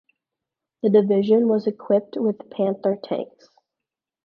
The division was equipped with Panther tanks.